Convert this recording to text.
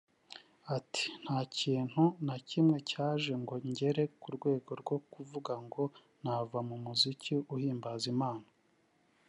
Ati “Nta kintu na kimwe cyaje ngo ngere ku rwego rwo kuvuga ngo nava mu muziki uhimbaza Imana